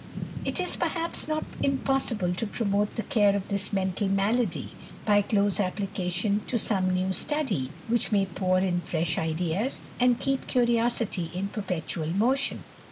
It 13, perhaps, not impossible to promote the cure of this I Olenial malady, by close application to some new study, Wlich may pour in fresh ideas, and keep curiosity in P«pttual motion.